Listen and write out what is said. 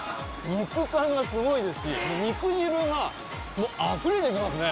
肉感がすごいですし肉汁がもうあふれてきますね